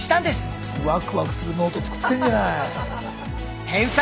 ワクワクするノート作ってんじゃない。